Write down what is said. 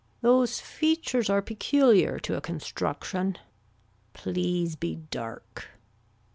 Those features are peculiar to a construction. Please be dark.